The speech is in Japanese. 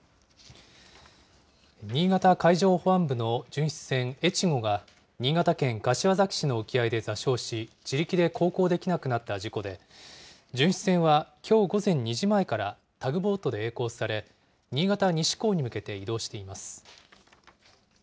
新潟海上保安部の巡視船えちごが新潟県柏崎市の沖合で座礁し、自力で航行できなくなった事故で、巡視船はきょう午前２時前からタグボートでえい航され、新潟西港に向けて移動しています。